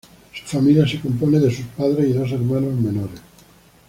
Su familia se compone de sus padres y dos hermanos menores.